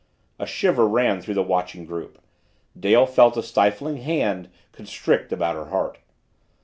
A shiver ran through the watching group. Dale felt a stifling hand constrict about her heart.